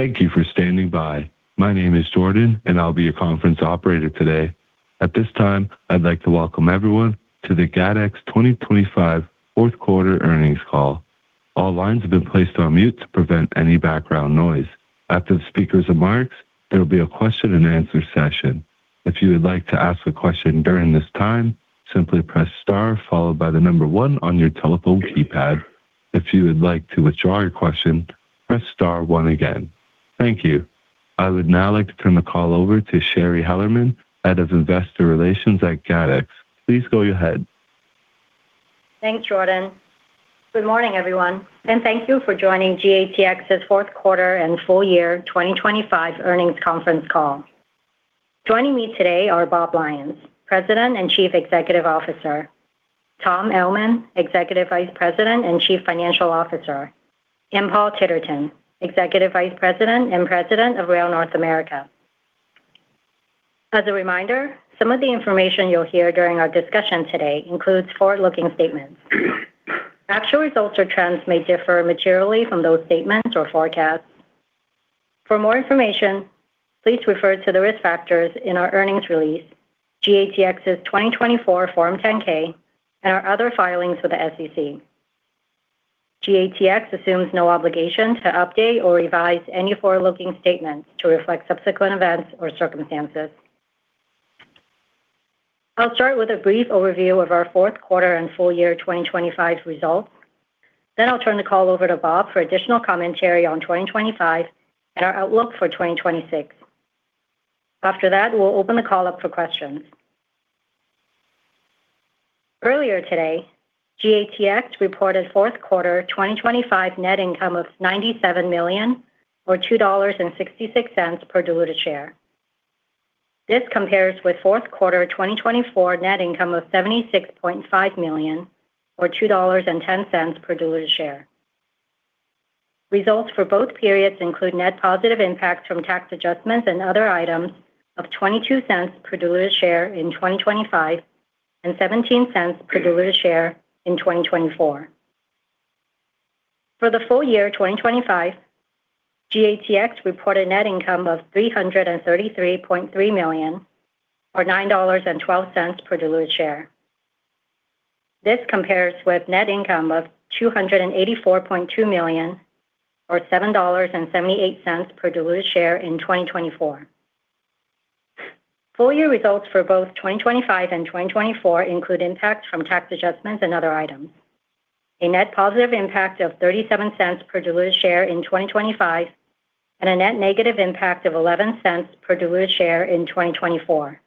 Thank you for standing by. My name is Jordan, and I'll be your conference operator today. At this time, I'd like to welcome everyone to the GATX 2025 fourth quarter earnings call. All lines have been placed on mute to prevent any background noise. After the speakers' remarks, there will be a question-and-answer session. If you would like to ask a question during this time, simply press star followed by the number one on your telephone keypad. If you would like to withdraw your question, press star one again. Thank you. I would now like to turn the call over to Shari Hellerman, Head of Investor Relations at GATX. Please go ahead. Thanks, Jordan. Good morning, everyone, and thank you for joining GATX's fourth quarter and full year 2025 earnings conference call. Joining me today are Bob Lyons, President and Chief Executive Officer, Tom Ellman, Executive Vice President and Chief Financial Officer, and Paul Titterton, Executive Vice President and President of Rail North America. As a reminder, some of the information you'll hear during our discussion today includes forward-looking statements. Actual results or trends may differ materially from those statements or forecasts. For more information, please refer to the risk factors in our earnings release, GATX's 2024 Form 10-K, and our other filings with the SEC. GATX assumes no obligation to update or revise any forward-looking statements to reflect subsequent events or circumstances. I'll start with a brief overview of our fourth quarter and full year 2025 results. Then I'll turn the call over to Bob for additional commentary on 2025 and our outlook for 2026. After that, we'll open the call up for questions. Earlier today, GATX reported fourth quarter 2025 net income of $97 million or $2.66 per diluted share. This compares with fourth quarter 2024 net income of $76.5 million or $2.10 per diluted share. Results for both periods include net positive impacts from tax adjustments and other items of $0.22 per diluted share in 2025 and $0.17 per diluted share in 2024. For the full year 2025, GATX reported net income of $333.3 million or $9.12 per diluted share. This compares with net income of $284.2 million or $7.78 per diluted share in 2024. Full year results for both 2025 and 2024 include impacts from tax adjustments and other items. A net positive impact of $0.37 per diluted share in 2025 and a net negative impact of $0.11 per diluted share in 2024.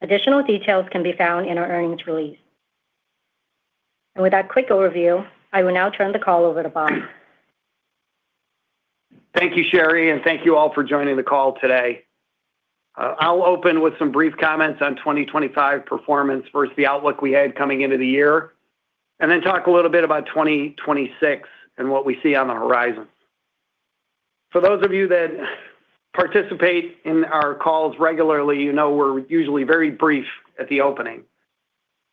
Additional details can be found in our earnings release. And with that quick overview, I will now turn the call over to Bob. Thank you, Shari, and thank you all for joining the call today. I'll open with some brief comments on 2025 performance versus the outlook we had coming into the year, and then talk a little bit about 2026 and what we see on the horizon. For those of you that participate in our calls regularly, you know we're usually very brief at the opening.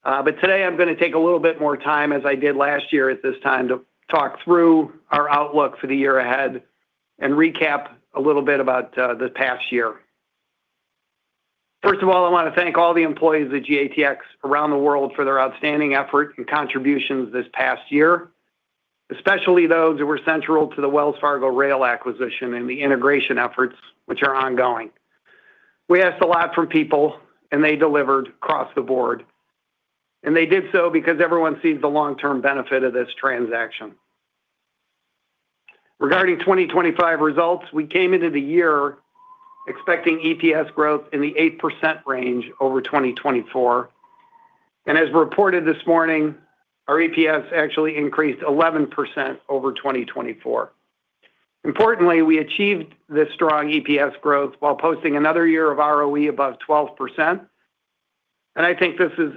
But today I'm gonna take a little bit more time, as I did last year at this time, to talk through our outlook for the year ahead and recap a little bit about the past year. First of all, I want to thank all the employees at GATX around the world for their outstanding effort and contributions this past year, especially those that were central to the Wells Fargo Rail acquisition and the integration efforts, which are ongoing. We asked a lot from people, and they delivered across the board, and they did so because everyone sees the long-term benefit of this transaction. Regarding 2025 results, we came into the year expecting EPS growth in the 8% range over 2024, and as reported this morning, our EPS actually increased 11% over 2024. Importantly, we achieved this strong EPS growth while posting another year of ROE above 12%, and I think this is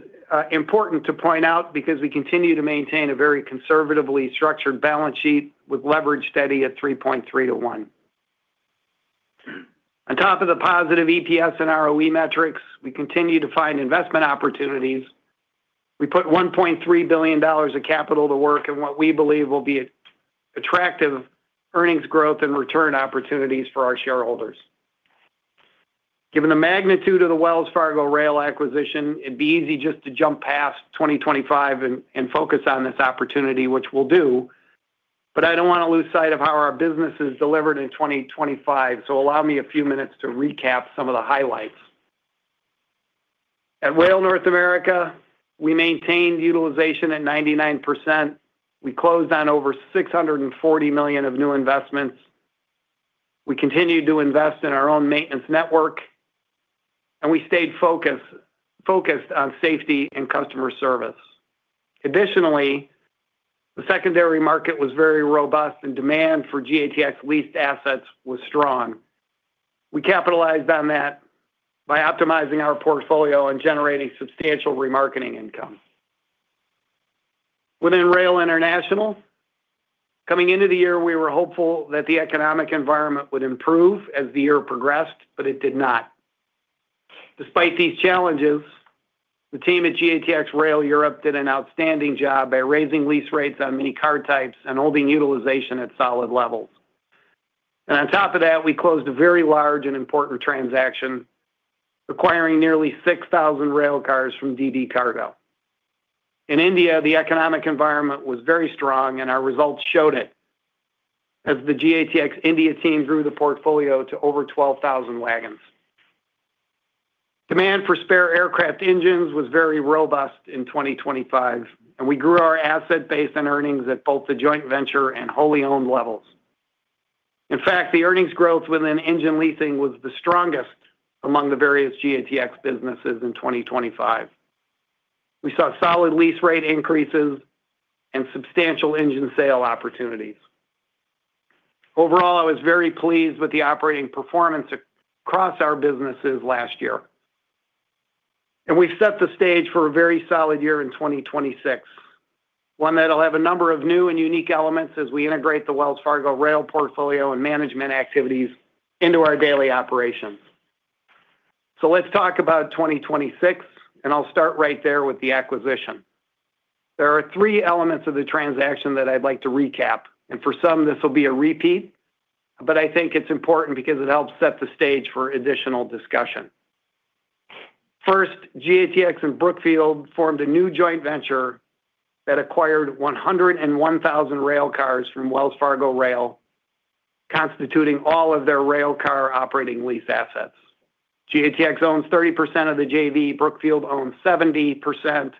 important to point out because we continue to maintain a very conservatively structured balance sheet with leverage steady at 3.3 to 1. On top of the positive EPS and ROE metrics, we continue to find investment opportunities. We put $1.3 billion of capital to work in what we believe will be attractive earnings growth and return opportunities for our shareholders. Given the magnitude of the Wells Fargo rail acquisition, it'd be easy just to jump past 2025 and focus on this opportunity, which we'll do, but I don't want to lose sight of how our business is delivered in 2025. So allow me a few minutes to recap some of the highlights. At Rail North America, we maintained utilization at 99%. We closed on over $640 million of new investments. We continued to invest in our own maintenance network, and we stayed focused on safety and customer service. Additionally, the secondary market was very robust, and demand for GATX leased assets was strong. We capitalized on that by optimizing our portfolio and generating substantial remarketing income. Within Rail International, coming into the year, we were hopeful that the economic environment would improve as the year progressed, but it did not.... Despite these challenges, the team at GATX Rail Europe did an outstanding job by raising lease rates on many car types and holding utilization at solid levels. And on top of that, we closed a very large and important transaction, acquiring nearly 6,000 rail cars from DB Cargo. In India, the economic environment was very strong, and our results showed it, as the GATX India team grew the portfolio to over 12,000 wagons. Demand for spare aircraft engines was very robust in 2025, and we grew our asset base and earnings at both the joint venture and wholly owned levels. In fact, the earnings growth within engine leasing was the strongest among the various GATX businesses in 2025. We saw solid lease rate increases and substantial engine sale opportunities. Overall, I was very pleased with the operating performance across our businesses last year, and we've set the stage for a very solid year in 2026. One that'll have a number of new and unique elements as we integrate the Wells Fargo rail portfolio and management activities into our daily operations. So let's talk about 2026, and I'll start right there with the acquisition. There are three elements of the transaction that I'd like to recap, and for some, this will be a repeat, but I think it's important because it helps set the stage for additional discussion. First, GATX and Brookfield formed a new joint venture that acquired 101,000 rail cars from Wells Fargo Rail, constituting all of their rail car operating lease assets. GATX owns 30% of the JV, Brookfield owns 70%,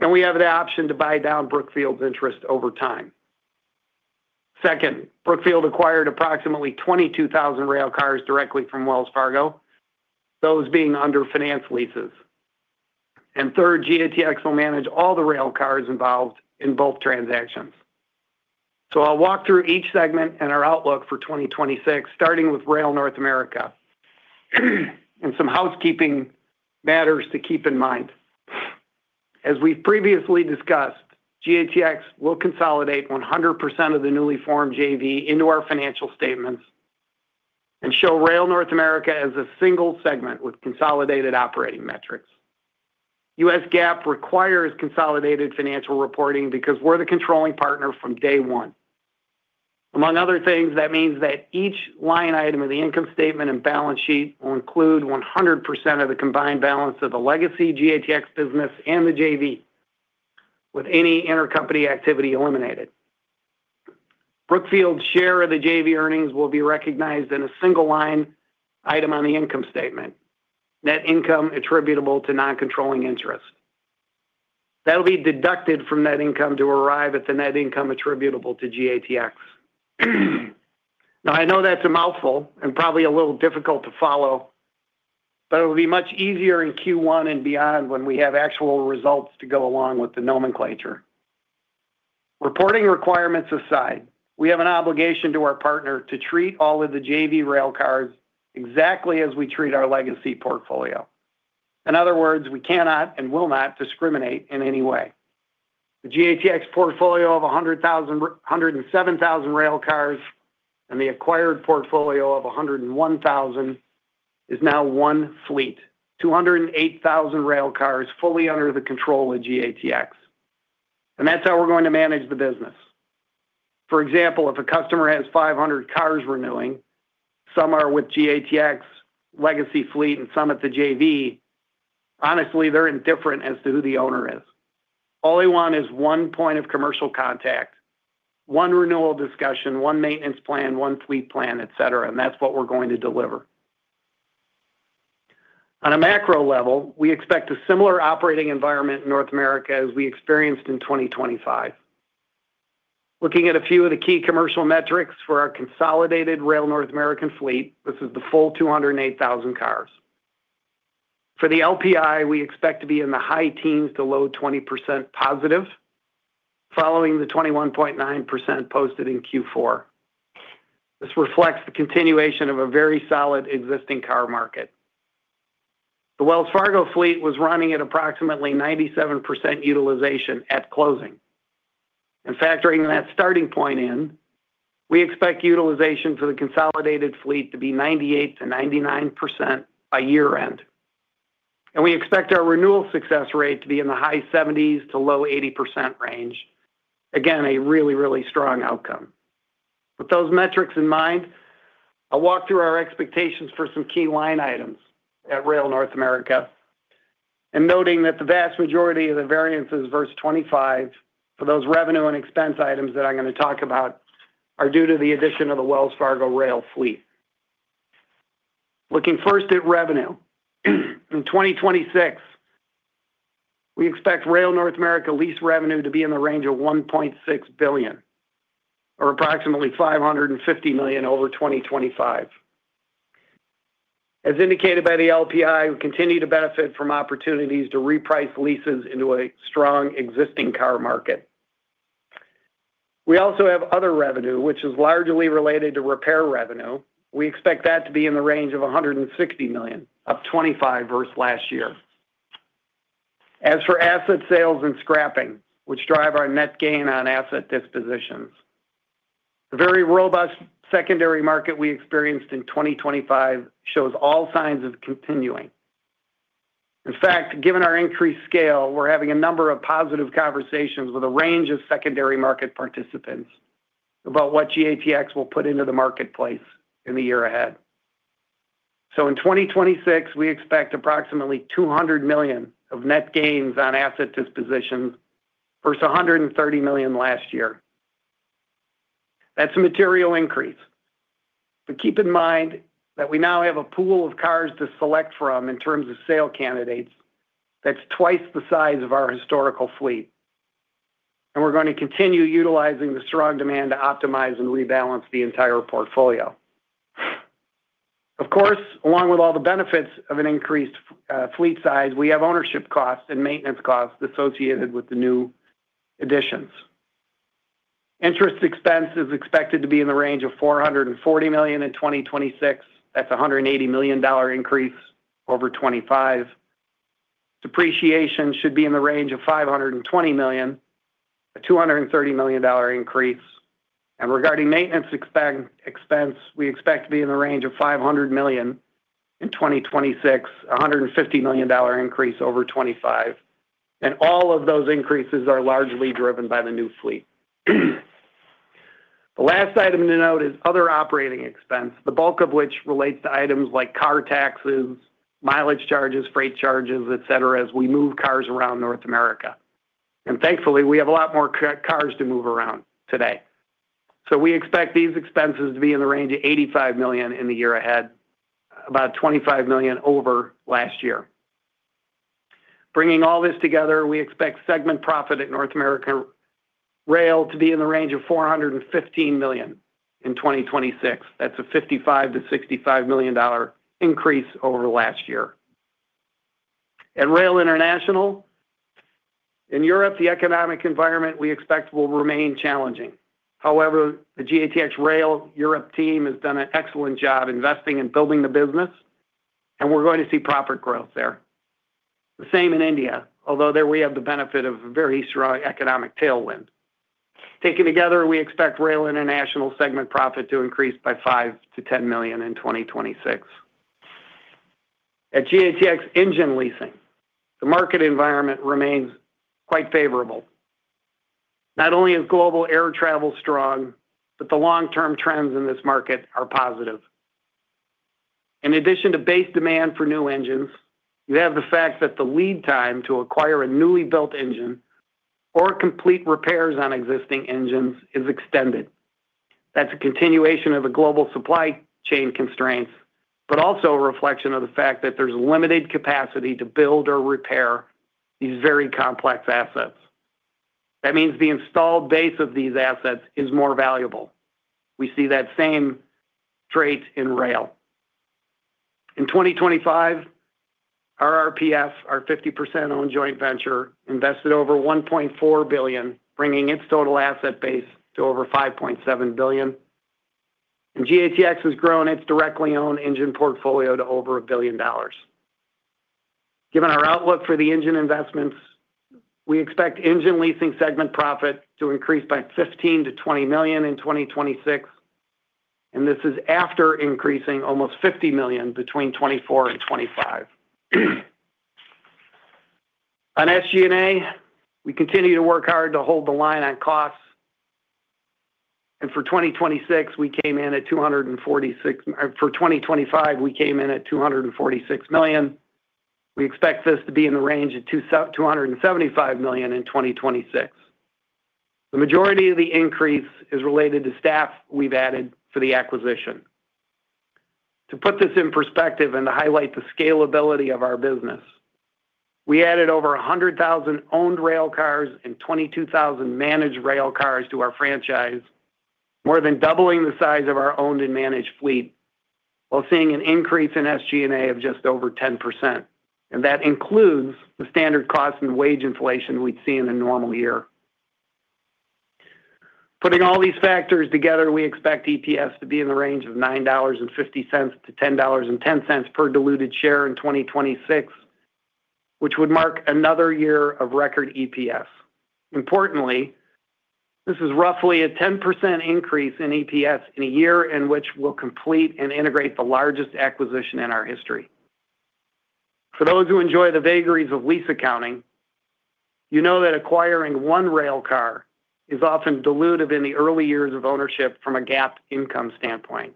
and we have the option to buy down Brookfield's interest over time. Second, Brookfield acquired approximately 22,000 rail cars directly from Wells Fargo, those being under finance leases. Third, GATX will manage all the rail cars involved in both transactions. I'll walk through each segment and our outlook for 2026, starting with Rail North America, and some housekeeping matters to keep in mind. As we've previously discussed, GATX will consolidate 100% of the newly formed JV into our financial statements and show Rail North America as a single segment with consolidated operating metrics. U.S. GAAP requires consolidated financial reporting because we're the controlling partner from day one. Among other things, that means that each line item of the income statement and balance sheet will include 100% of the combined balance of the legacy GATX business and the JV, with any intercompany activity eliminated. Brookfield's share of the JV earnings will be recognized in a single line item on the income statement: Net income attributable to non-controlling interest. That'll be deducted from net income to arrive at the net income attributable to GATX. Now, I know that's a mouthful and probably a little difficult to follow, but it'll be much easier in Q1 and beyond when we have actual results to go along with the nomenclature. Reporting requirements aside, we have an obligation to our partner to treat all of the JV rail cars exactly as we treat our legacy portfolio. In other words, we cannot and will not discriminate in any way. The GATX portfolio of 107,000 rail cars and the acquired portfolio of 101,000 is now one fleet, 208,000 rail cars fully under the control of GATX, and that's how we're going to manage the business. For example, if a customer has 500 cars renewing, some are with GATX legacy fleet and some at the JV, honestly, they're indifferent as to who the owner is. All they want is one point of commercial contact, one renewal discussion, one maintenance plan, one fleet plan, et cetera, and that's what we're going to deliver. On a macro level, we expect a similar operating environment in North America as we experienced in 2025. Looking at a few of the key commercial metrics for our consolidated Rail North America fleet, this is the full 208,000 cars. For the LPI, we expect to be in the high teens to low 20% positive, following the 21.9% posted in Q4. This reflects the continuation of a very solid existing car market. The Wells Fargo fleet was running at approximately 97% utilization at closing. And factoring that starting point in, we expect utilization for the consolidated fleet to be 98%-99% by year-end. And we expect our renewal success rate to be in the high 70s to low 80% range. Again, a really, really strong outcome. With those metrics in mind, I'll walk through our expectations for some key line items at Rail North America, and noting that the vast majority of the variances versus 2025 for those revenue and expense items that I'm going to talk about are due to the addition of the Wells Fargo rail fleet. Looking first at revenue, in 2026, we expect Rail North America lease revenue to be in the range of $1.6 billion, or approximately $550 million over 2025. As indicated by the LPI, we continue to benefit from opportunities to reprice leases into a strong existing car market. We also have other revenue, which is largely related to repair revenue. We expect that to be in the range of $160 million, up 25 versus last year.... As for asset sales and scrapping, which drive our net gain on asset dispositions, the very robust secondary market we experienced in 2025 shows all signs of continuing. In fact, given our increased scale, we're having a number of positive conversations with a range of secondary market participants about what GATX will put into the marketplace in the year ahead. So in 2026, we expect approximately $200 million of net gains on asset dispositions versus $130 million last year. That's a material increase. But keep in mind that we now have a pool of cars to select from in terms of sale candidates that's twice the size of our historical fleet, and we're going to continue utilizing the strong demand to optimize and rebalance the entire portfolio. Of course, along with all the benefits of an increased fleet size, we have ownership costs and maintenance costs associated with the new additions. Interest expense is expected to be in the range of $440 million in 2026. That's a $180 million increase over 2025. Depreciation should be in the range of $520 million, a $230 million increase. And regarding maintenance expense, we expect to be in the range of $500 million in 2026, a $150 million increase over 2025, and all of those increases are largely driven by the new fleet. The last item to note is other operating expenses, the bulk of which relates to items like car taxes, mileage charges, freight charges, et cetera, as we move cars around North America. And thankfully, we have a lot more cars to move around today. So we expect these expenses to be in the range of $85 million in the year ahead, about $25 million over last year. Bringing all this together, we expect segment profit at North America Rail to be in the range of $415 million in 2026. That's a $55-$65 million increase over last year. At Rail International, in Europe, the economic environment we expect will remain challenging. However, the GATX Rail Europe team has done an excellent job investing and building the business, and we're going to see profit growth there. The same in India, although there we have the benefit of a very strong economic tailwind. Taken together, we expect Rail International segment profit to increase by $5-$10 million in 2026. At GATX Engine Leasing, the market environment remains quite favorable. Not only is global air travel strong, but the long-term trends in this market are positive. In addition to base demand for new engines, you have the fact that the lead time to acquire a newly built engine or complete repairs on existing engines is extended. That's a continuation of the global supply chain constraints, but also a reflection of the fact that there's limited capacity to build or repair these very complex assets. That means the installed base of these assets is more valuable. We see that same trait in rail. In 2025, our RRPF, our 50% owned joint venture, invested over $1.4 billion, bringing its total asset base to over $5.7 billion, and GATX has grown its directly owned engine portfolio to over $1 billion. Given our outlook for the engine investments, we expect engine leasing segment profit to increase by $15 million-$20 million in 2026, and this is after increasing almost $50 million between 2024 and 2025. On SG&A, we continue to work hard to hold the line on costs, and for 2026, we came in at $246 million. For 2025, we came in at $246 million. We expect this to be in the range of $275 million in 2026. The majority of the increase is related to staff we've added for the acquisition. To put this in perspective and to highlight the scalability of our business, we added over 100,000 owned rail cars and 22,000 managed rail cars to our franchise, more than doubling the size of our owned and managed fleet, while seeing an increase in SG&A of just over 10%, and that includes the standard cost and wage inflation we'd see in a normal year. Putting all these factors together, we expect EPS to be in the range of $9.50-$10.10 per diluted share in 2026, which would mark another year of record EPS. Importantly, this is roughly a 10% increase in EPS in a year in which we'll complete and integrate the largest acquisition in our history. For those who enjoy the vagaries of lease accounting, you know that acquiring one railcar is often dilutive in the early years of ownership from a GAAP income standpoint.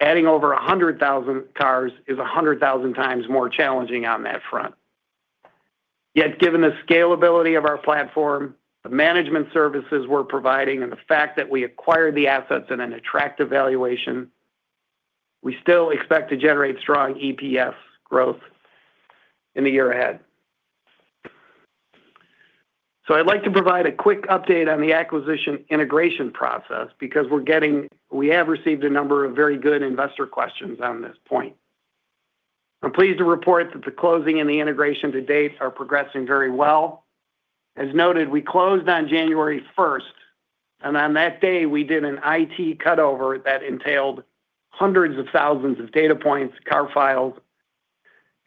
Adding over 100,000 railcars is 100,000 times more challenging on that front. Yet, given the scalability of our platform, the management services we're providing, and the fact that we acquired the assets at an attractive valuation, we still expect to generate strong EPS growth in the year ahead. So I'd like to provide a quick update on the acquisition integration process because we're getting - we have received a number of very good investor questions on this point. I'm pleased to report that the closing and the integration to date are progressing very well.... As noted, we closed on January first, and on that day, we did an IT cutover that entailed hundreds of thousands of data points, car files,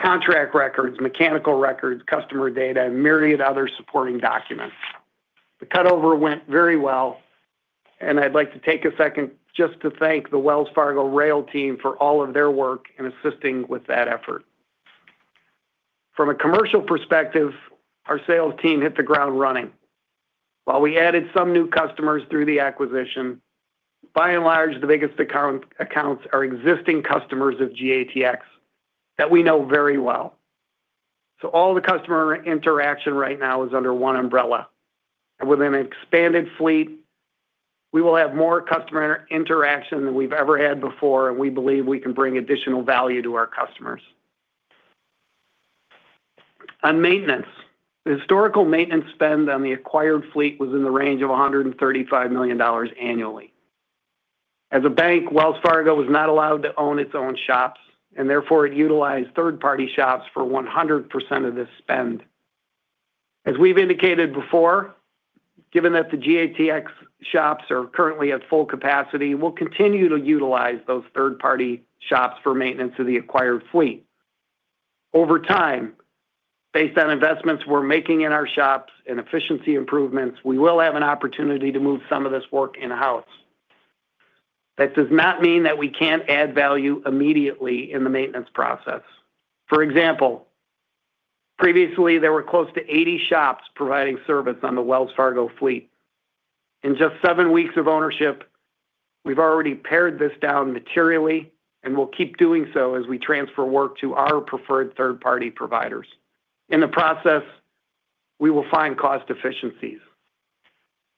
contract records, mechanical records, customer data, and myriad other supporting documents. The cutover went very well, and I'd like to take a second just to thank the Wells Fargo Rail team for all of their work in assisting with that effort. From a commercial perspective, our sales team hit the ground running. While we added some new customers through the acquisition, by and large, the biggest accounts are existing customers of GATX that we know very well. So all the customer interaction right now is under one umbrella. With an expanded fleet, we will have more customer interaction than we've ever had before, and we believe we can bring additional value to our customers. On maintenance, the historical maintenance spend on the acquired fleet was in the range of $135 million annually. As a bank, Wells Fargo was not allowed to own its own shops, and therefore it utilized third-party shops for 100% of this spend. As we've indicated before, given that the GATX shops are currently at full capacity, we'll continue to utilize those third-party shops for maintenance of the acquired fleet. Over time, based on investments we're making in our shops and efficiency improvements, we will have an opportunity to move some of this work in-house. That does not mean that we can't add value immediately in the maintenance process. For example, previously, there were close to 80 shops providing service on the Wells Fargo fleet. In just 7 weeks of ownership, we've already pared this down materially, and we'll keep doing so as we transfer work to our preferred third-party providers. In the process, we will find cost efficiencies.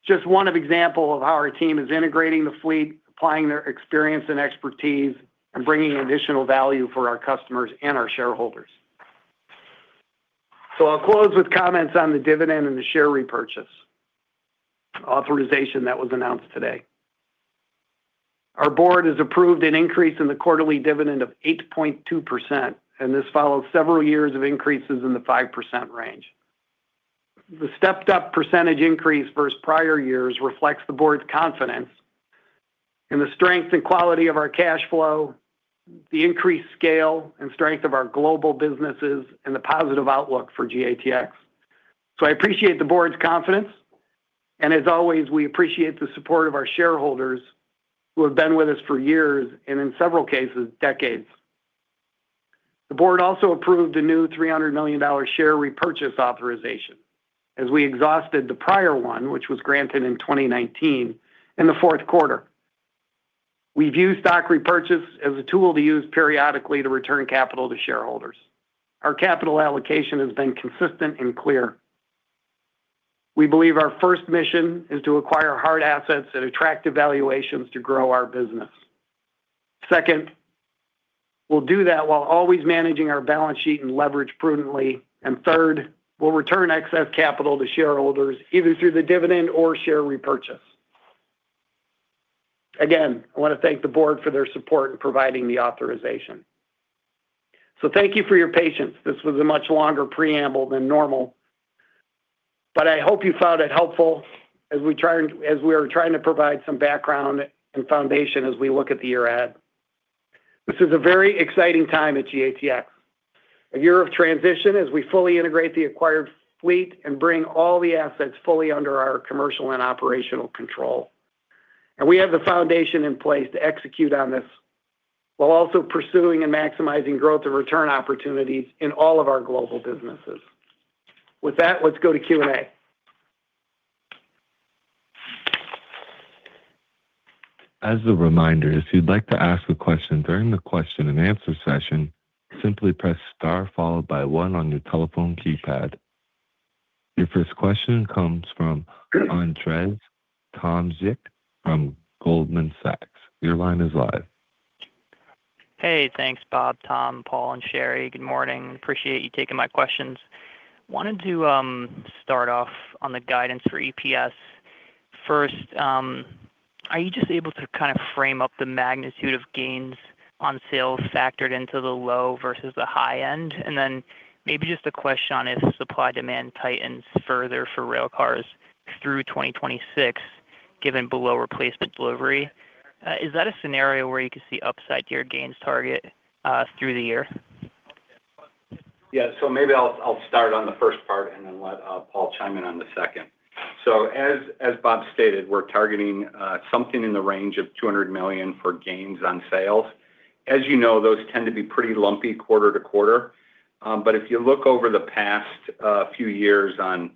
Just one example of how our team is integrating the fleet, applying their experience and expertise, and bringing additional value for our customers and our shareholders. So I'll close with comments on the dividend and the share repurchase authorization that was announced today. Our board has approved an increase in the quarterly dividend of 8.2%, and this follows several years of increases in the 5% range. The stepped-up percentage increase versus prior years reflects the board's confidence in the strength and quality of our cash flow, the increased scale and strength of our global businesses, and the positive outlook for GATX. So I appreciate the board's confidence, and as always, we appreciate the support of our shareholders who have been with us for years, and in several cases, decades. The board also approved a new $300 million share repurchase authorization, as we exhausted the prior one, which was granted in 2019, in the fourth quarter. We view stock repurchase as a tool to use periodically to return capital to shareholders. Our capital allocation has been consistent and clear. We believe our first mission is to acquire hard assets at attractive valuations to grow our business. Second, we'll do that while always managing our balance sheet and leverage prudently. And third, we'll return excess capital to shareholders, either through the dividend or share repurchase. Again, I want to thank the board for their support in providing the authorization. So thank you for your patience. This was a much longer preamble than normal, but I hope you found it helpful as we are trying to provide some background and foundation as we look at the year ahead. This is a very exciting time at GATX, a year of transition as we fully integrate the acquired fleet and bring all the assets fully under our commercial and operational control. We have the foundation in place to execute on this, while also pursuing and maximizing growth and return opportunities in all of our global businesses. With that, let's go to Q&A. As a reminder, if you'd like to ask a question during the question and answer session, simply press star followed by one on your telephone keypad. Your first question comes from Andrzej Tomczyk from Goldman Sachs. Your line is live. Hey, thanks, Bob, Tom, Paul, and Shari. Good morning. Appreciate you taking my questions. Wanted to start off on the guidance for EPS. First, are you just able to kind of frame up the magnitude of gains on sales factored into the low versus the high end? And then maybe just a question on if supply-demand tightens further for railcars through 2026, given below replacement delivery, is that a scenario where you could see upside to your gains target through the year? Yeah. So maybe I'll start on the first part and then let Paul chime in on the second. So as Bob stated, we're targeting something in the range of $200 million for gains on sales. As you know, those tend to be pretty lumpy quarter-to-quarter. But if you look over the past few years on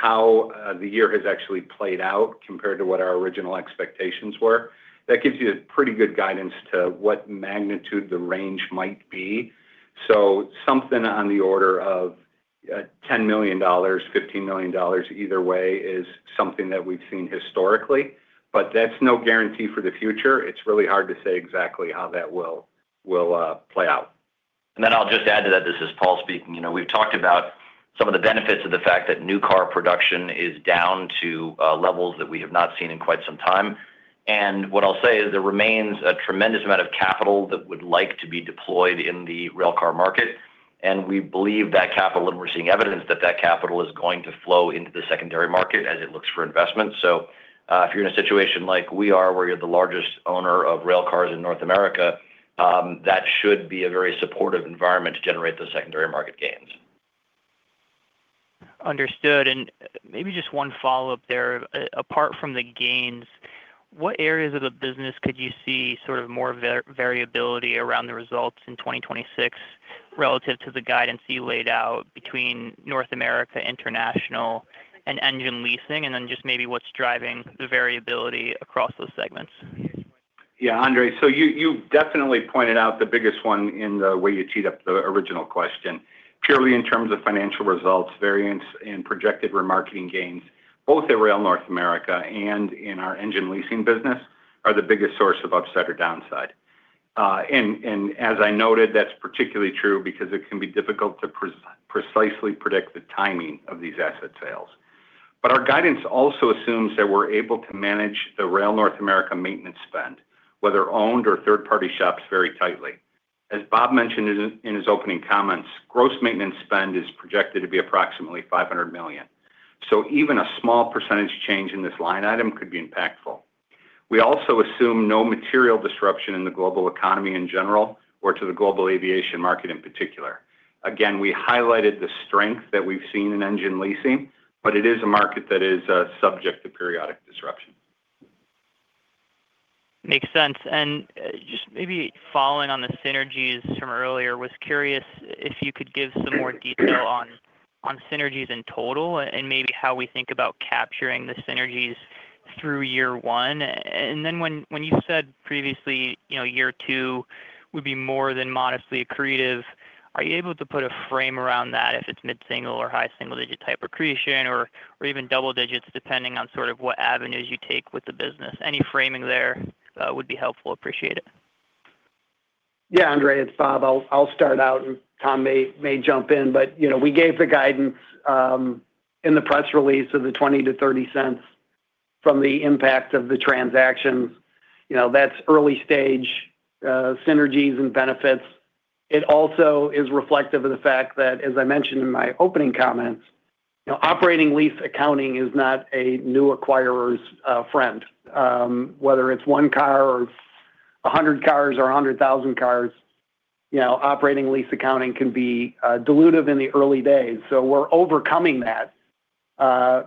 how the year has actually played out compared to what our original expectations were, that gives you a pretty good guidance to what magnitude the range might be. So something on the order of $10 million, $15 million, either way, is something that we've seen historically, but that's no guarantee for the future. It's really hard to say exactly how that will play out. Then I'll just add to that. This is Paul speaking. You know, we've talked about some of the benefits of the fact that new car production is down to levels that we have not seen in quite some time. And what I'll say is there remains a tremendous amount of capital that would like to be deployed in the railcar market, and we believe that capital, and we're seeing evidence that that capital is going to flow into the secondary market as it looks for investment. So, if you're in a situation like we are, where you're the largest owner of railcars in North America, that should be a very supportive environment to generate those secondary market gains. Understood. And maybe just one follow-up there. Apart from the gains, what areas of the business could you see sort of more variability around the results in 2026 relative to the guidance you laid out between North America, International, and Engine Leasing? And then just maybe what's driving the variability across those segments? Yeah, Andrzej, so you definitely pointed out the biggest one in the way you teed up the original question. Purely in terms of financial results, variance, and projected remarketing gains, both at Rail North America and in our engine leasing business, are the biggest source of upside or downside. And as I noted, that's particularly true because it can be difficult to precisely predict the timing of these asset sales. But our guidance also assumes that we're able to manage the Rail North America maintenance spend, whether owned or third-party shops, very tightly. As Bob mentioned in his opening comments, gross maintenance spend is projected to be approximately $500 million. So even a small percentage change in this line item could be impactful. We also assume no material disruption in the global economy in general, or to the global aviation market in particular. Again, we highlighted the strength that we've seen in engine leasing, but it is a market that is subject to periodic disruption. Makes sense. And, just maybe following on the synergies from earlier, was curious if you could give some more detail on, on synergies in total, and maybe how we think about capturing the synergies through year one. And then when, when you said previously, you know, year two would be more than modestly accretive, are you able to put a frame around that, if it's mid-single or high single-digit type accretion, or, or even double digits, depending on sort of what avenues you take with the business? Any framing there, would be helpful. Appreciate it. Yeah, Andrzej, it's Bob. I'll start out, and Tom may jump in. You know, we gave the guidance in the press release of the $0.20-$0.30 from the impact of the transactions. You know, that's early stage synergies and benefits. It also is reflective of the fact that, as I mentioned in my opening comments, you know, operating lease accounting is not a new acquirer's friend. Whether it's one car or a hundred cars or a hundred thousand cars, you know, operating lease accounting can be dilutive in the early days. So we're overcoming that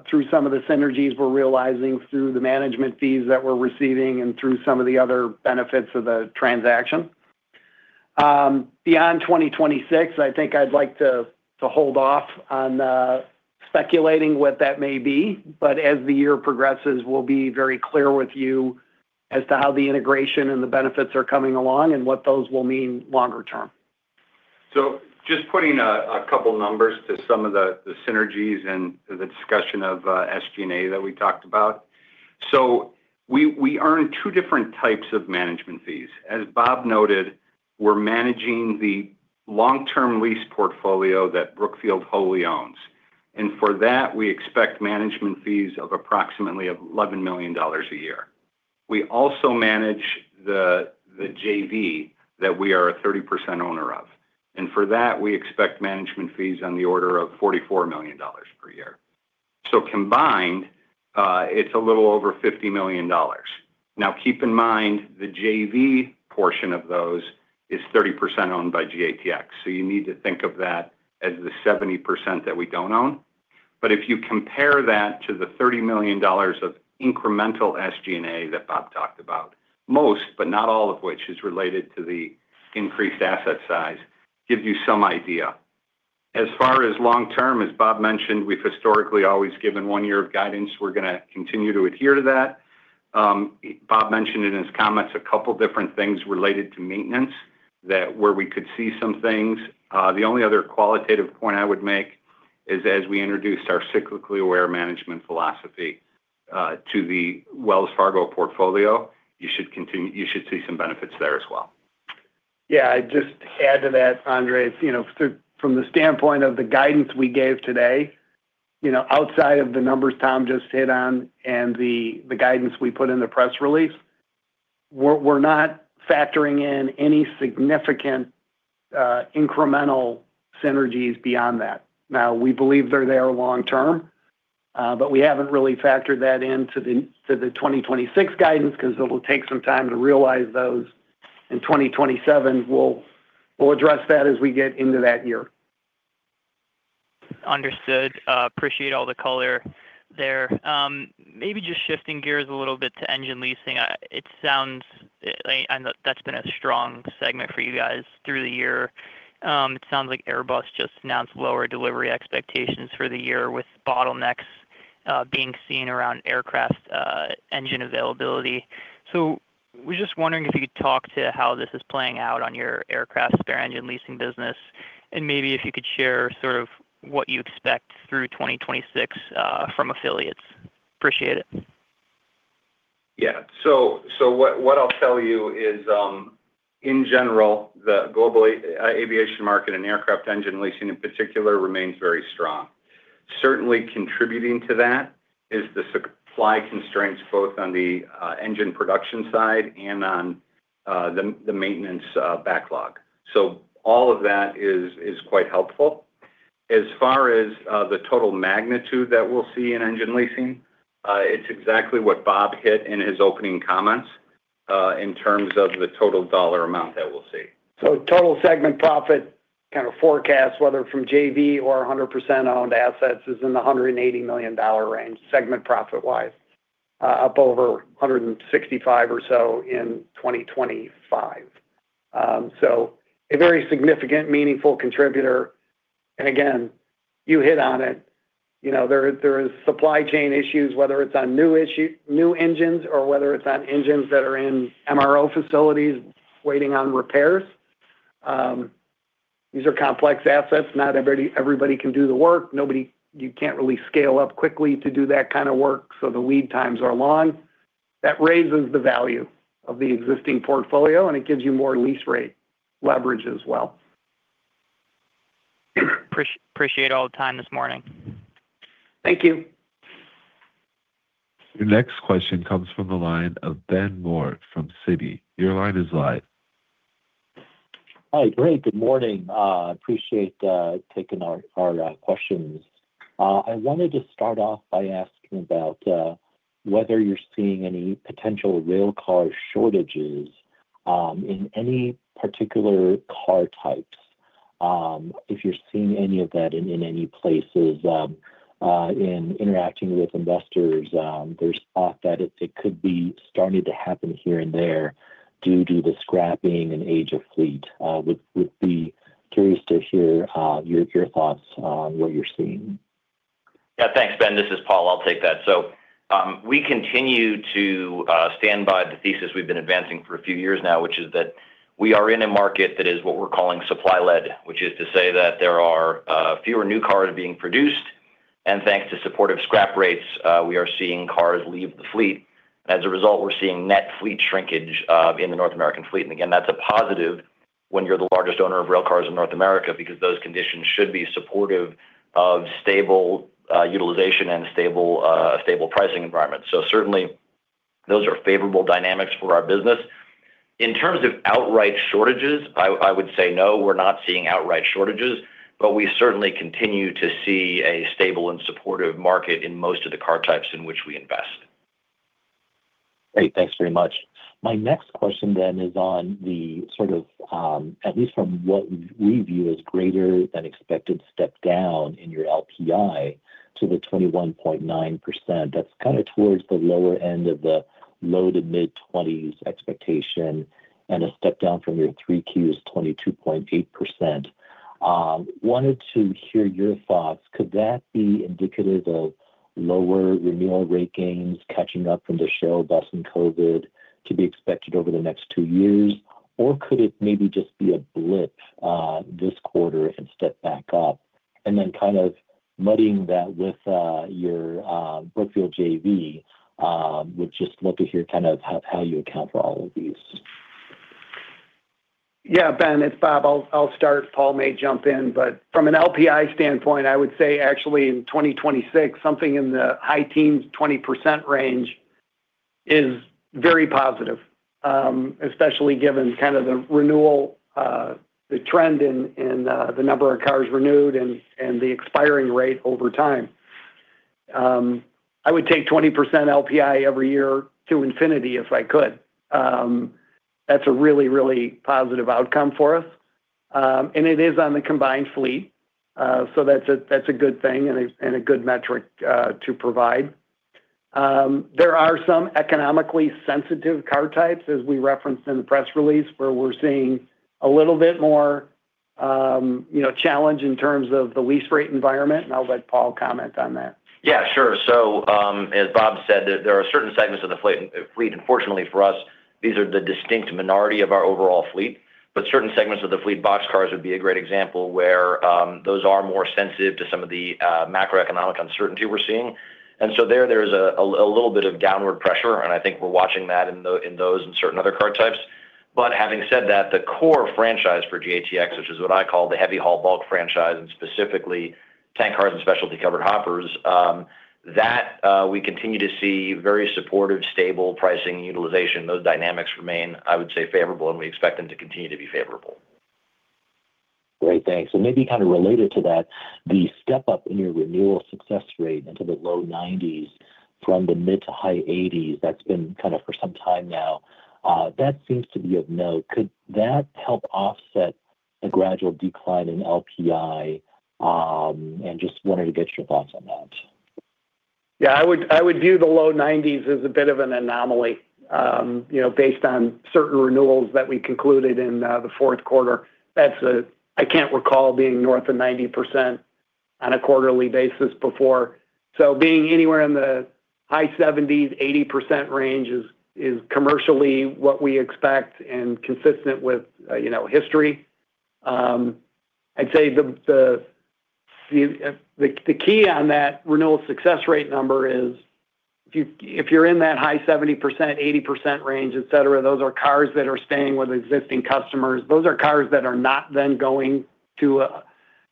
through some of the synergies we're realizing through the management fees that we're receiving and through some of the other benefits of the transaction. Beyond 2026, I think I'd like to hold off on speculating what that may be, but as the year progresses, we'll be very clear with you as to how the integration and the benefits are coming along and what those will mean longer term. Just putting a couple numbers to some of the synergies and the discussion of SG&A that we talked about. We earn two different types of management fees. As Bob noted, we're managing the long-term lease portfolio that Brookfield wholly owns, and for that, we expect management fees of approximately $11 million a year. We also manage the JV that we are a 30% owner of, and for that, we expect management fees on the order of $44 million per year. Combined, it's a little over $50 million. Now, keep in mind, the JV portion of those is 30% owned by GATX, so you need to think of that as the 70% that we don't own. But if you compare that to the $30 million of incremental SG&A that Bob talked about, most, but not all of which, is related to the increased asset size, gives you some idea. As far as long term, as Bob mentioned, we've historically always given one year of guidance. We're going to continue to adhere to that. Bob mentioned in his comments a couple different things related to maintenance that-- where we could see some things. The only other qualitative point I would make is, as we introduced our cyclically aware management philosophy, to the Wells Fargo portfolio, you should continue-- you should see some benefits there as well. Yeah, I'd just add to that, Andrzej, you know, through, from the standpoint of the guidance we gave today, you know, outside of the numbers Tom just hit on and the guidance we put in the press release, we're not factoring in any significant incremental synergies beyond that. Now, we believe they're there long term, but we haven't really factored that in to the 2026 guidance because it'll take some time to realize those in 2027. We'll address that as we get into that year. Understood. Appreciate all the color there. Maybe just shifting gears a little bit to engine leasing. It sounds, and that's been a strong segment for you guys through the year. It sounds like Airbus just announced lower delivery expectations for the year, with bottlenecks being seen around aircraft engine availability. So we're just wondering if you could talk to how this is playing out on your aircraft spare engine leasing business, and maybe if you could share sort of what you expect through 2026 from affiliates. Appreciate it. Yeah. So, what I'll tell you is, in general, the global aviation market and aircraft engine leasing, in particular, remains very strong. Certainly contributing to that is the supply constraints, both on the engine production side and on the maintenance backlog. So all of that is quite helpful. As far as the total magnitude that we'll see in engine leasing, it's exactly what Bob hit in his opening comments, in terms of the total dollar amount that we'll see. So total segment profit kind of forecast, whether from JV or 100% owned assets, is in the $180 million range, segment profit-wise, up over 165 or so in 2025. So a very significant, meaningful contributor, and again, you hit on it, you know, there is supply chain issues, whether it's on new engines or whether it's on engines that are in MRO facilities waiting on repairs. These are complex assets. Not everybody can do the work. You can't really scale up quickly to do that kind of work, so the lead times are long. That raises the value of the existing portfolio, and it gives you more lease rate leverage as well. Appreciate all the time this morning. Thank you. Your next question comes from the line of Ben Moore from Citi. Your line is live. Hi. Great. Good morning. Appreciate taking our questions. I wanted to start off by asking about whether you're seeing any potential railcar shortages in any particular car types, if you're seeing any of that in any places. In interacting with investors, there's thought that it could be starting to happen here and there due to the scrapping and age of fleet. Would be curious to hear your thoughts on what you're seeing. Yeah. Thanks, Ben. This is Paul. I'll take that. So, we continue to stand by the thesis we've been advancing for a few years now, which is that we are in a market that is what we're calling supply-led, which is to say that there are fewer new cars being produced. And thanks to supportive scrap rates, we are seeing cars leave the fleet. As a result, we're seeing net fleet shrinkage in the North American fleet. And again, that's a positive when you're the largest owner of rail cars in North America, because those conditions should be supportive of stable utilization and stable stable pricing environment. So certainly, those are favorable dynamics for our business. In terms of outright shortages, I would say, no, we're not seeing outright shortages, but we certainly continue to see a stable and supportive market in most of the car types in which we invest. Great. Thanks very much. My next question then is on the, sort of, at least from what we view, as greater than expected step down in your LPI to the 21.9%. That's kind of towards the lower end of the low-to-mid-20s expectation, and a step down from your 3Q's 22.8%. Wanted to hear your thoughts. Could that be indicative of lower renewal rate gains catching up from the shell bust in COVID to be expected over the next two years? Or could it maybe just be a blip, this quarter and step back up? And then kind of muddying that with, your, Brookfield JV, would just love to hear kind of how, how you account for all of these. Yeah, Ben, it's Bob. I'll, I'll start. Paul may jump in, but from an LPI standpoint, I would say actually in 2026, something in the high teens, 20% range is very positive, especially given kind of the renewal, the trend in, in, the number of cars renewed and, and the expiring rate over time. I would take 20% LPI every year to infinity if I could. That's a really, really positive outcome for us. And it is on the combined fleet, so that's a, that's a good thing and a, and a good metric to provide. There are some economically sensitive car types, as we referenced in the press release, where we're seeing a little bit more, you know, challenge in terms of the lease rate environment, and I'll let Paul comment on that. Yeah, sure. So, as Bob said, there are certain segments of the fleet. Unfortunately for us, these are the distinct minority of our overall fleet, but certain segments of the fleet, boxcars would be a great example, where those are more sensitive to some of the macroeconomic uncertainty we're seeing. And so there's a little bit of downward pressure, and I think we're watching that in those and certain other car types. But having said that, the core franchise for GATX, which is what I call the heavy haul bulk franchise, and specifically tank cars and specialty covered hoppers, that we continue to see very supportive, stable pricing utilization. Those dynamics remain, I would say, favorable, and we expect them to continue to be favorable. Great, thanks. Maybe kind of related to that, the step up in your renewal success rate into the low 90s from the mid- to high 80s, that's been kind of for some time now. That seems to be of note. Could that help offset the gradual decline in LPI? And just wanted to get your thoughts on that. Yeah, I would view the low 90s as a bit of an anomaly, you know, based on certain renewals that we concluded in the fourth quarter. That's, I can't recall being north of 90% on a quarterly basis before. So being anywhere in the high 70s-80% range is commercially what we expect and consistent with, you know, history. I'd say the key on that renewal success rate number is if you're in that high 70%-80% range, et cetera, those are cars that are staying with existing customers. Those are cars that are not then going to a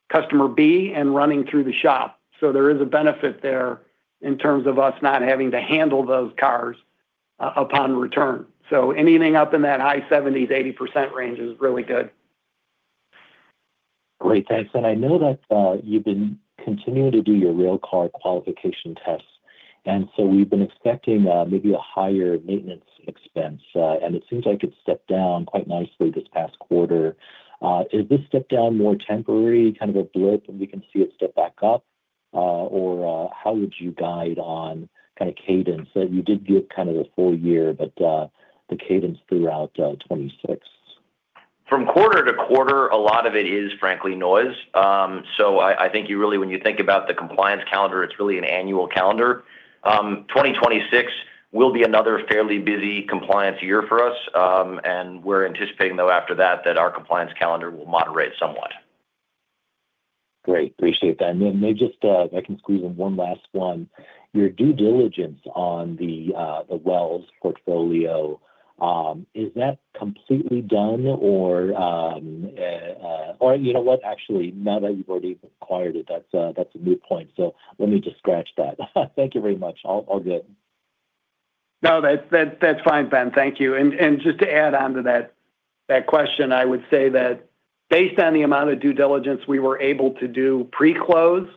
customer B and running through the shop. So there is a benefit there in terms of us not having to handle those cars upon return. Anything up in that high 70s-80% range is really good. Great, thanks. And I know that, you've been continuing to do your railcar qualification tests, and so we've been expecting, maybe a higher maintenance expense, and it seems like it stepped down quite nicely this past quarter. Is this step down more temporary, kind of a blip, and we can see it step back up? Or, how would you guide on kind of cadence? So you did give kind of the full year, but, the cadence throughout, 2026. From quarter to quarter, a lot of it is frankly noise. So I, I think you really when you think about the compliance calendar, it's really an annual calendar. 2026 will be another fairly busy compliance year for us, and we're anticipating, though, after that, that our compliance calendar will moderate somewhat. Great, appreciate that. And then maybe just if I can squeeze in one last one. Your due diligence on the, the Wells portfolio, is that completely done or, or you know what? Actually, now that you've already acquired it, that's a, that's a moot point. So let me just scratch that. Thank you very much. All, all good. No, that's fine, Ben. Thank you. And just to add on to that question, I would say that based on the amount of due diligence we were able to do pre-close,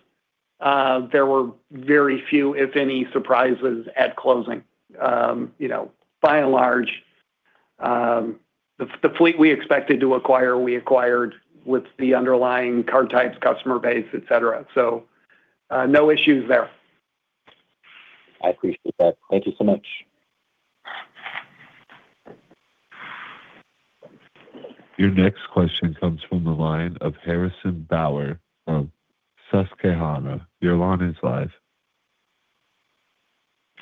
there were very few, if any, surprises at closing. You know, by and large, the fleet we expected to acquire, we acquired with the underlying car types, customer base, et cetera. So, no issues there. I appreciate that. Thank you so much. Your next question comes from the line of Harrison Bauer of Susquehanna. Your line is live.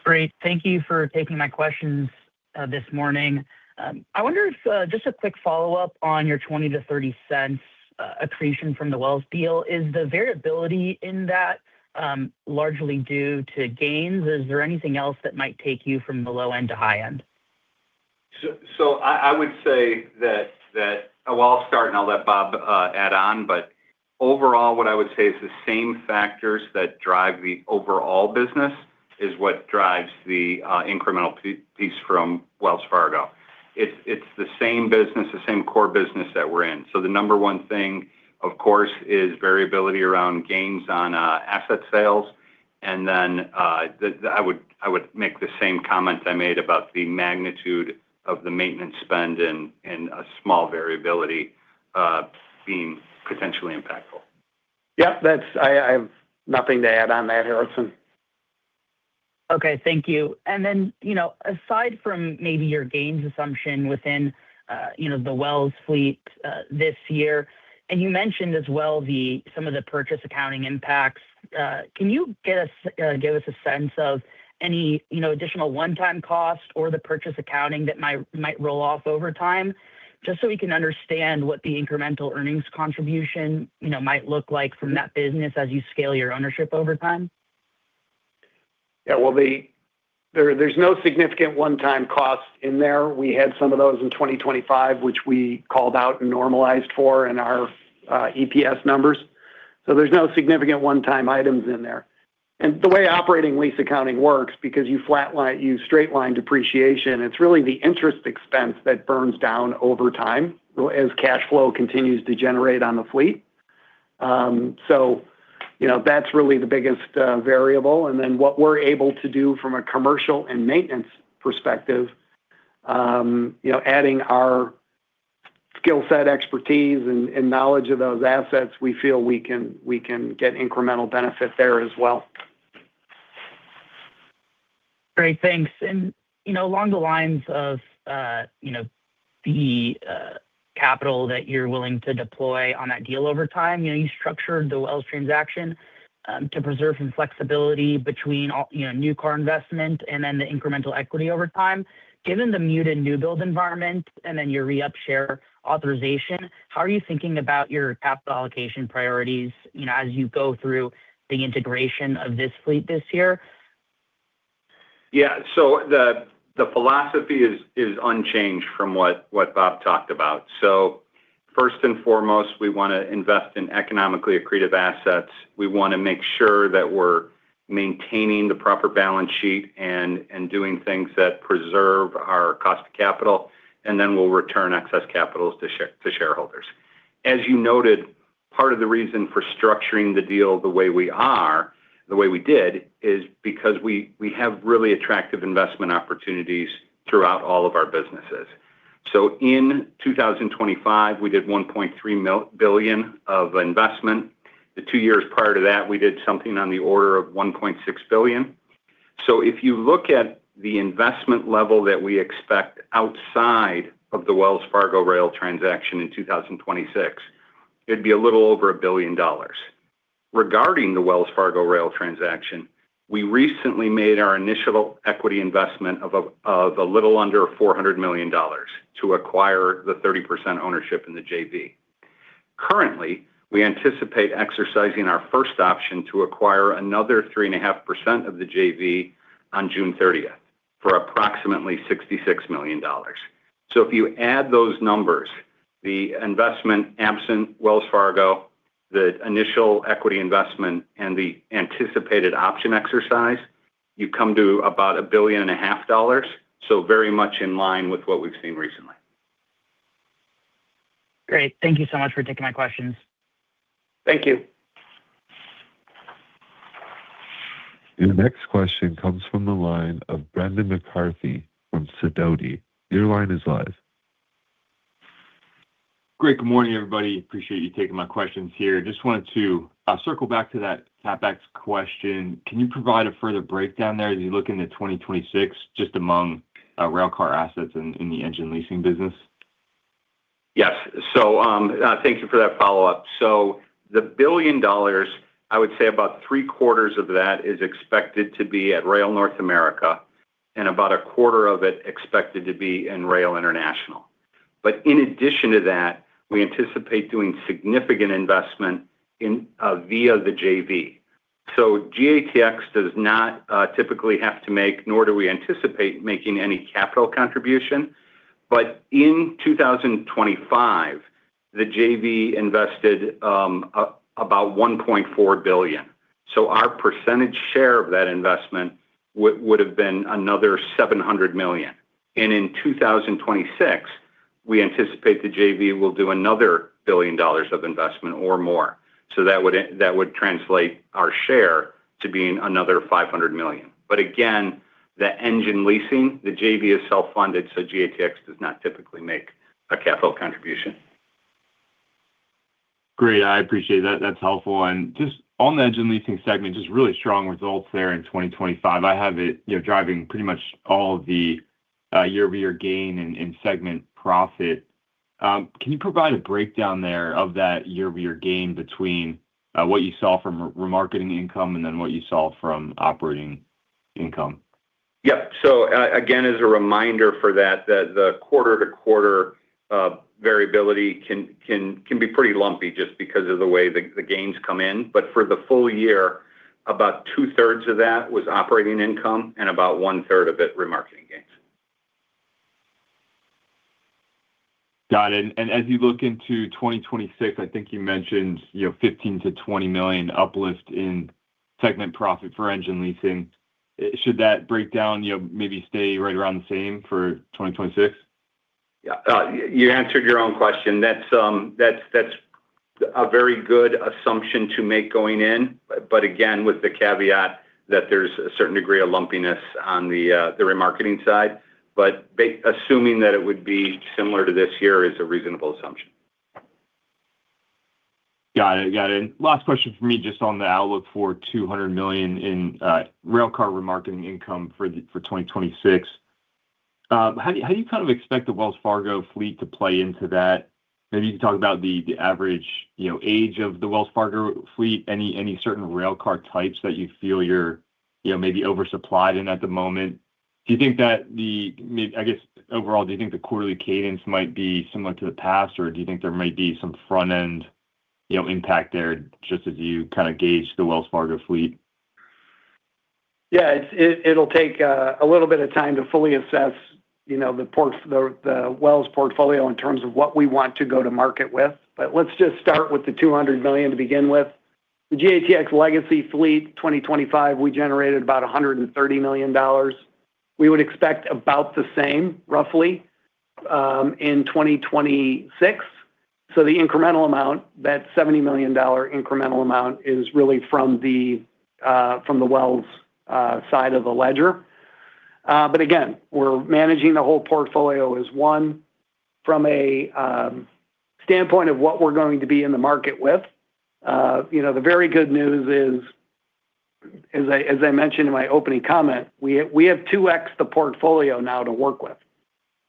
Great, thank you for taking my questions, this morning. I wonder if, just a quick follow-up on your $0.20-$0.30 accretion from the Wells deal. Is the variability in that, largely due to gains? Is there anything else that might take you from the low end to high end? I would say that... Well, I'll start and I'll let Bob add on, but overall, what I would say is the same factors that drive the overall business is what drives the incremental piece from Wells Fargo. It's the same business, the same core business that we're in. So the number one thing, of course, is variability around gains on asset sales. And then, I would make the same comment I made about the magnitude of the maintenance spend and a small variability being potentially impactful. Yep, that's... I have nothing to add on that, Harrison. Okay, thank you. And then, you know, aside from maybe your gains assumption within, you know, the Wells fleet, this year, and you mentioned as well some of the purchase accounting impacts, can you get us, give us a sense of any, you know, additional one-time cost or the purchase accounting that might roll off over time, just so we can understand what the incremental earnings contribution, you know, might look like from that business as you scale your ownership over time? Yeah, well, there’s no significant one-time cost in there. We had some of those in 2025, which we called out and normalized for in our EPS numbers. So there’s no significant one-time items in there. And the way operating lease accounting works, because you flat line, you straight line depreciation, it’s really the interest expense that burns down over time as cash flow continues to generate on the fleet. So, you know, that’s really the biggest variable. And then what we’re able to do from a commercial and maintenance perspective, you know, adding our skill set, expertise, and knowledge of those assets, we feel we can get incremental benefit there as well. Great, thanks. And you know, along the lines of, you know, the capital that you're willing to deploy on that deal over time, you know, you structured the Wells transaction to preserve some flexibility between all, you know, new car investment and then the incremental equity over time. Given the muted new build environment and then your re-up share authorization, how are you thinking about your capital allocation priorities, you know, as you go through the integration of this fleet this year? Yeah. So the philosophy is unchanged from what Bob talked about. So first and foremost, we want to invest in economically accretive assets. We want to make sure that we're maintaining the proper balance sheet and doing things that preserve our cost of capital, and then we'll return excess capital to shareholders. As you noted, part of the reason for structuring the deal the way we are, the way we did, is because we have really attractive investment opportunities throughout all of our businesses. So in 2025, we did $1.3 billion of investment. The two years prior to that, we did something on the order of $1.6 billion. So if you look at the investment level that we expect outside of the Wells Fargo Rail transaction in 2026, it'd be a little over $1 billion. Regarding the Wells Fargo Rail transaction, we recently made our initial equity investment of a little under $400 million to acquire the 30% ownership in the JV. Currently, we anticipate exercising our first option to acquire another 3.5% of the JV on June thirtieth, for approximately $66 million. So if you add those numbers, the investment absent Wells Fargo, the initial equity investment, and the anticipated option exercise, you come to about $1.5 billion. So very much in line with what we've seen recently. Great. Thank you so much for taking my questions. Thank you. Your next question comes from the line of Brendan McCarthy from Sidoti. Your line is live. Great. Good morning, everybody. Appreciate you taking my questions here. Just wanted to circle back to that CapEx question. Can you provide a further breakdown there as you look into 2026, just among railcar assets in the engine leasing business? Yes. So, thank you for that follow-up. So the $1 billion, I would say about three-quarters of that is expected to be at Rail North America, and about a quarter of it expected to be in Rail International. But in addition to that, we anticipate doing significant investment in via the JV. So GATX does not typically have to make, nor do we anticipate making any capital contribution. But in 2025, the JV invested about $1.4 billion. So our percentage share of that investment would, would have been another $700 million. And in 2026, we anticipate the JV will do another $1 billion of investment or more. So that would, that would translate our share to being another $500 million. But again, the engine leasing, the JV, is self-funded, so GATX does not typically make a capital contribution. Great. I appreciate that. That's helpful. Just on the engine leasing segment, just really strong results there in 2025. I have it, you know, driving pretty much all the year-over-year gain in segment profit. Can you provide a breakdown there of that year-over-year gain between what you saw from re-remarketing income and then what you saw from operating income? Yep. So, again, as a reminder for that, that the quarter-to-quarter variability can be pretty lumpy just because of the way the gains come in. But for the full year, about two-thirds of that was operating income and about one-third of it remarketing gains. Got it. And as you look into 2026, I think you mentioned, you know, $15 million-$20 million uplift in segment profit for engine leasing. Should that breakdown, you know, maybe stay right around the same for 2026? Yeah. You answered your own question. That's a very good assumption to make going in, but again, with the caveat that there's a certain degree of lumpiness on the remarketing side. But assuming that it would be similar to this year is a reasonable assumption. Got it. Got it. Last question for me, just on the outlook for $200 million in railcar remarketing income for 2026. How do you kind of expect the Wells Fargo fleet to play into that? Maybe you can talk about the average, you know, age of the Wells Fargo fleet. Any certain railcar types that you feel you're, you know, maybe oversupplied in at the moment? Do you think that? Maybe, I guess, overall, do you think the quarterly cadence might be similar to the past, or do you think there might be some front-end, you know, impact there, just as you kind of gauge the Wells Fargo fleet? Yeah, it's, it'll take a little bit of time to fully assess, you know, the portfolio, the Wells portfolio in terms of what we want to go to market with. But let's just start with the $200 million to begin with. The GATX legacy fleet, 2025, we generated about $130 million. We would expect about the same, roughly, in 2026. So the incremental amount, that $70 million incremental amount, is really from the Wells side of the ledger. But again, we're managing the whole portfolio as one. From a standpoint of what we're going to be in the market with, you know, the very good news is, as I mentioned in my opening comment, we have 2x the portfolio now to work with.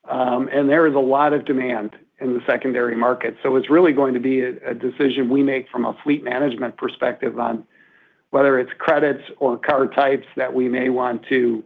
There is a lot of demand in the secondary market. It's really going to be a decision we make from a fleet management perspective on whether it's credits or car types that we may want to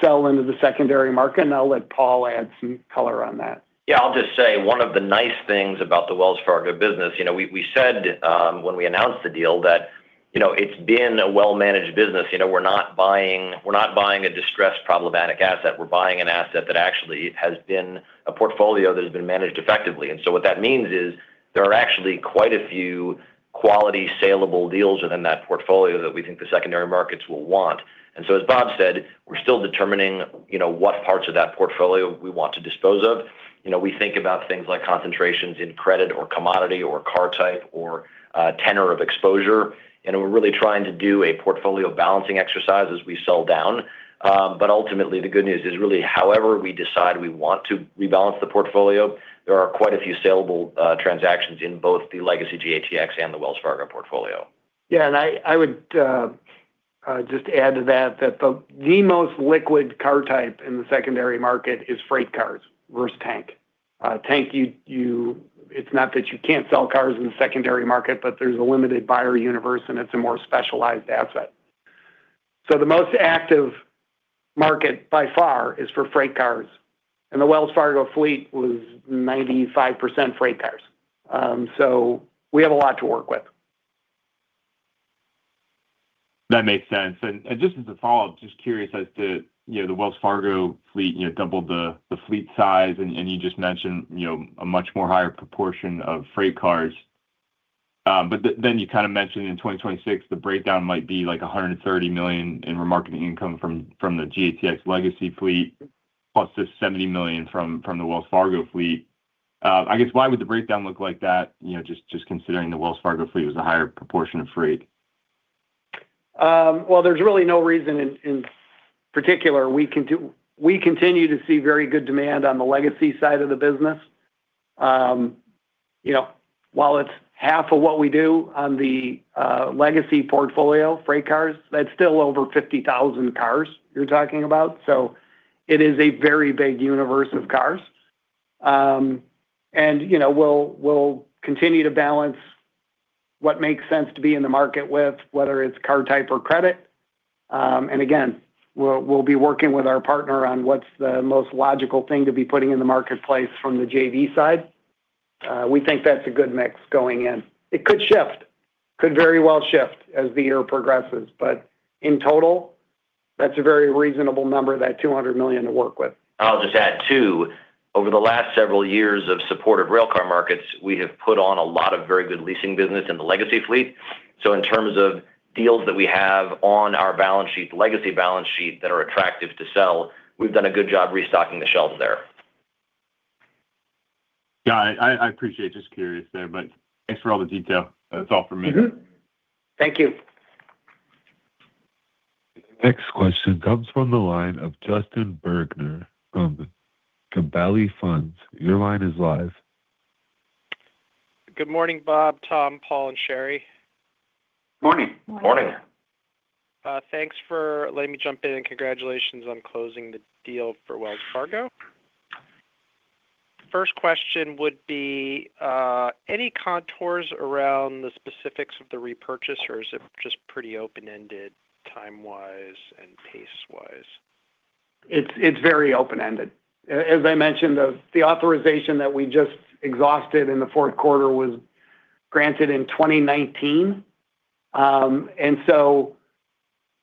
sell into the secondary market. I'll let Paul add some color on that. Yeah. I'll just say one of the nice things about the Wells Fargo business, you know, we said, when we announced the deal that, you know, it's been a well-managed business. You know, we're not buying, we're not buying a distressed, problematic asset. We're buying an asset that actually has been a portfolio that has been managed effectively. And so what that means is there are actually quite a few quality, saleable deals within that portfolio that we think the secondary markets will want. And so, as Bob said, we're still determining, you know, what parts of that portfolio we want to dispose of. You know, we think about things like concentrations in credit or commodity or car type or, tenor of exposure, and we're really trying to do a portfolio balancing exercise as we sell down. But ultimately, the good news is really however we decide we want to rebalance the portfolio, there are quite a few saleable transactions in both the legacy GATX and the Wells Fargo portfolio. Yeah, and I would just add to that, that the most liquid car type in the secondary market is freight cars, versus tank. Tank, it's not that you can't sell cars in the secondary market, but there's a limited buyer universe, and it's a more specialized asset. So the most active market by far is for freight cars, and the Wells Fargo fleet was 95% freight cars. So we have a lot to work with. That makes sense. And just as a follow-up, just curious as to, you know, the Wells Fargo fleet, you know, doubled the fleet size, and you just mentioned, you know, a much more higher proportion of freight cars. But then you kind of mentioned in 2026, the breakdown might be like $130 million in remarketing income from the GATX legacy fleet, plus this $70 million from the Wells Fargo fleet. I guess why would the breakdown look like that? You know, just considering the Wells Fargo fleet was a higher proportion of freight. Well, there's really no reason in particular. We continue to see very good demand on the legacy side of the business. You know, while it's half of what we do on the legacy portfolio, freight cars, that's still over 50,000 cars you're talking about, so it is a very big universe of cars. And, you know, we'll continue to balance what makes sense to be in the market with whether it's car type or credit. And again, we'll be working with our partner on what's the most logical thing to be putting in the marketplace from the JV side. We think that's a good mix going in. It could shift. Could very well shift as the year progresses, but in total, that's a very reasonable number, that $200 million to work with. I'll just add, too, over the last several years of supportive railcar markets, we have put on a lot of very good leasing business in the legacy fleet. So in terms of deals that we have on our balance sheet, legacy balance sheet, that are attractive to sell, we've done a good job restocking the shelves there. Yeah, I, I appreciate. Just curious there, but thanks for all the detail. That's all from me. Mm-hmm. Thank you. Next question comes from the line of Justin Bergner from Gabelli Funds. Your line is live. Good morning, Bob, Tom, Paul, and Shari. Morning. Morning. Morning. Thanks for letting me jump in, and congratulations on closing the deal for Wells Fargo. First question would be, any contours around the specifics of the repurchase, or is it just pretty open-ended time-wise and pace-wise? It's very open-ended. As I mentioned, the authorization that we just exhausted in the fourth quarter was granted in 2019. And so,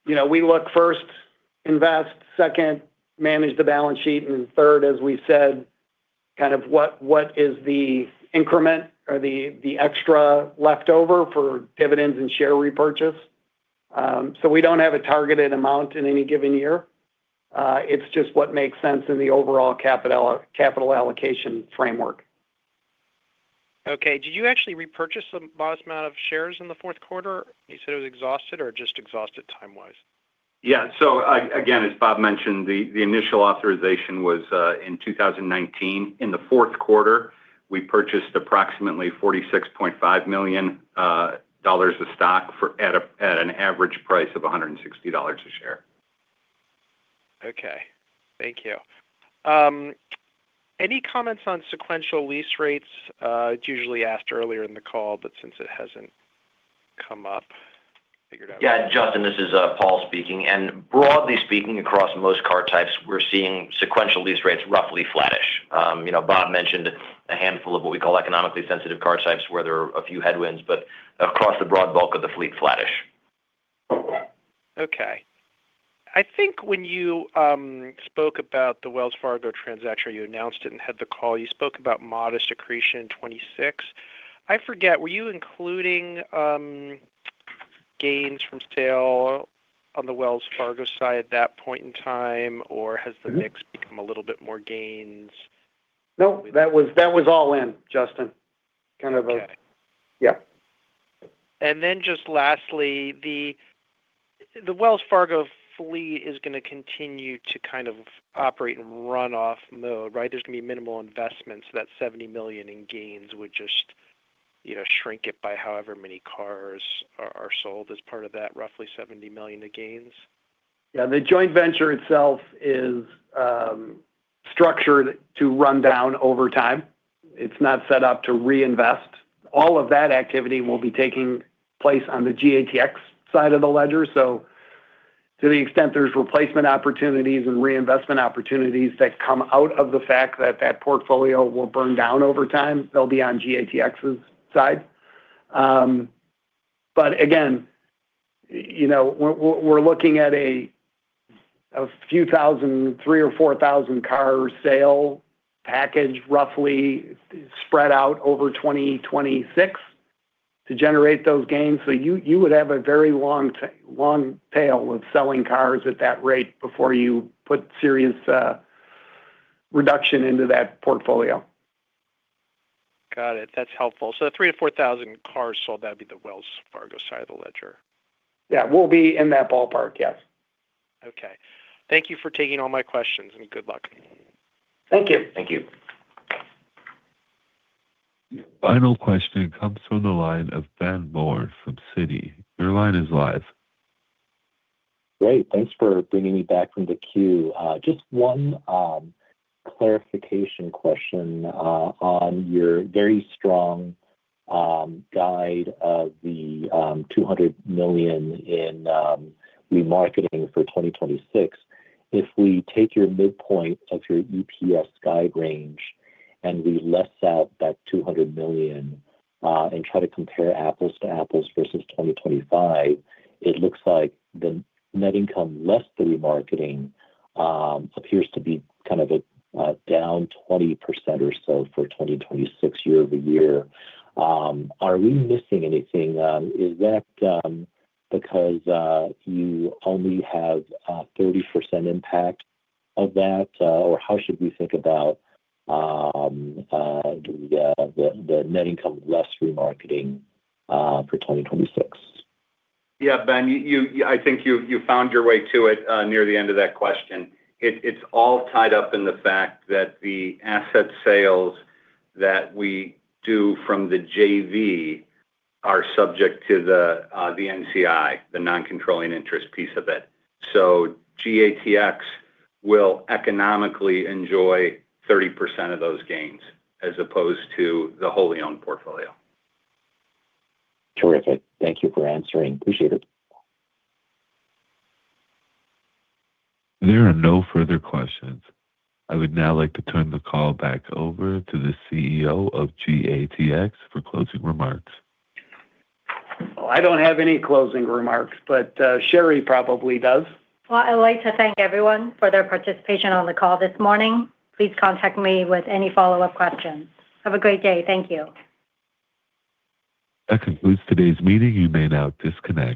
you know, we look first, invest, second, manage the balance sheet, and third, as we said, kind of what is the increment or the extra leftover for dividends and share repurchase? So we don't have a targeted amount in any given year. It's just what makes sense in the overall capital allocation framework. Okay. Did you actually repurchase some vast amount of shares in the fourth quarter? You said it was exhausted or just exhausted time-wise? Yeah. So again, as Bob mentioned, the initial authorization was in 2019. In the fourth quarter, we purchased approximately $46.5 million of stock at an average price of $160 a share. Okay. Thank you. Any comments on sequential lease rates? It's usually asked earlier in the call, but since it hasn't come up, figured out- Yeah, Justin, this is Paul speaking. And broadly speaking, across most car types, we're seeing sequential lease rates roughly flattish. You know, Bob mentioned a handful of what we call economically sensitive car types, where there are a few headwinds, but across the broad bulk of the fleet, flattish. Okay. I think when you spoke about the Wells Fargo transaction, you announced it and had the call, you spoke about modest accretion in 2026. I forget, were you including gains from sale on the Wells Fargo side at that point in time, or has the mix become a little bit more gains? No, that was all in, Justin. Kind of a- Got it. Yeah. And then just lastly, the Wells Fargo fleet is gonna continue to kind of operate in runoff mode, right? There's gonna be minimal investments. So that $70 million in gains would just, you know, shrink it by however many cars are sold as part of that, roughly $70 million of gains. Yeah, the joint venture itself is structured to run down over time. It's not set up to reinvest. All of that activity will be taking place on the GATX side of the ledger. So to the extent there's replacement opportunities and reinvestment opportunities that come out of the fact that that portfolio will burn down over time, they'll be on GATX's side. But again, you know, we're looking at a few thousand, 3 or 4 thousand car sale package, roughly spread out over 2026 to generate those gains. So you would have a very long tail of selling cars at that rate before you put serious reduction into that portfolio. Got it. That's helpful. So the 3,000-4,000 cars sold, that'd be the Wells Fargo side of the ledger? Yeah, we'll be in that ballpark, yes. Okay. Thank you for taking all my questions, and good luck. Thank you. Thank you. Final question comes from the line of Ben Moore from Citi. Your line is live. Great. Thanks for bringing me back from the queue. Just one clarification question on your very strong guide of the $200 million in remarketing for 2026. If we take your midpoint of your EPS guide range, and we less out that $200 million, and try to compare apples to apples versus 2025, it looks like the net income less the remarketing appears to be kind of down 20% or so for 2026 year-over-year. Are we missing anything? Is that because you only have a 30% impact of that? Or how should we think about the net income less remarketing for 2026? Yeah, Ben, you, I think you found your way to it near the end of that question. It's all tied up in the fact that the asset sales that we do from the JV are subject to the NCI, the non-controlling interest piece of it. So GATX will economically enjoy 30% of those gains, as opposed to the wholly owned portfolio. Terrific. Thank you for answering. Appreciate it. There are no further questions. I would now like to turn the call back over to the CEO of GATX for closing remarks. Well, I don't have any closing remarks, but, Shari probably does. Well, I'd like to thank everyone for their participation on the call this morning. Please contact me with any follow-up questions. Have a great day. Thank you. That concludes today's meeting. You may now disconnect.